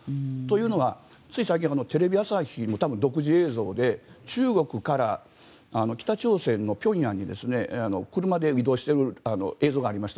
というのが、つい最近テレビ朝日の独自映像で中国から北朝鮮の平壌に車で移動している映像がありました。